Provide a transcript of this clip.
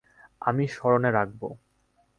আমি স্মরণে রাখবো।